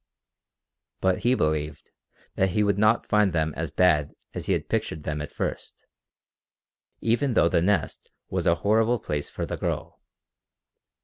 But he believed that he would not find them as bad as he had pictured them at first, even though the Nest was a horrible place for the girl.